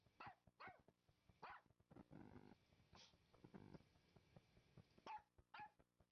Las islas sagradas eran las islas Príncipe del mar de Mármara.